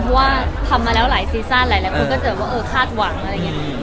เพราะว่าทำมาแล้วหลายซีซั่นหลายคนก็เจอว่าเออคาดหวังอะไรอย่างนี้